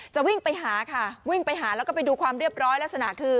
จะวิ่งไปหาค่ะวิ่งไปหาแล้วก็ไปดูความเรียบร้อยลักษณะคือ